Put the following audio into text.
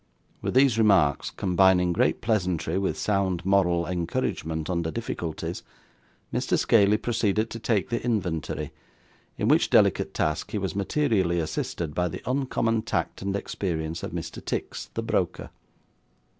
With these remarks, combining great pleasantry with sound moral encouragement under difficulties, Mr. Scaley proceeded to take the inventory, in which delicate task he was materially assisted by the uncommon tact and experience of Mr. Tix, the broker.